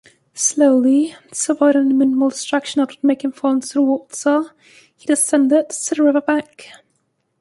Slowly, to avoid any minimal distraction that would make him fall into the water, he descended to the riverbank.